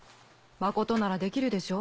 真琴ならできるでしょ？